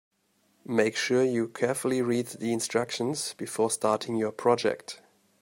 Make sure you carefully read the instructions before starting your project.